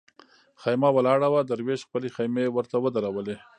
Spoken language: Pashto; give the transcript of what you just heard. خېمه ولاړه وه دروېش خپلې خېمې ورته ودرولې.